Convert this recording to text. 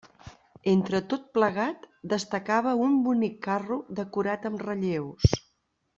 Entre tot plegat, destacava un bonic carro decorat amb relleus.